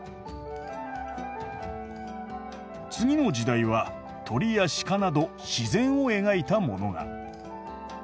次の時代は鳥や鹿など自然を描いたものが。